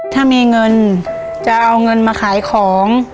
ถ้ามีเงินจะเอาเงินมาขายของ